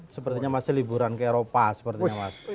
sepertinya masih liburan ke eropa sepertinya mas